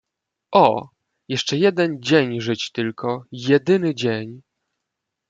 "O, jeszcze jeden dzień żyć tylko, jedyny dzień!"